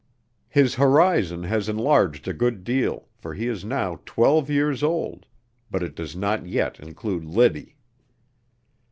His horizon has enlarged a good deal, for he is now twelve years old but it does not yet include Liddy.